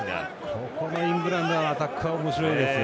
ここのイングランドのアタックはおもしろいですよ。